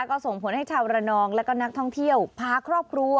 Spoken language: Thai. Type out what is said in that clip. ก็ส่งผลให้ชาวระนองและก็นักท่องเที่ยวพาครอบครัว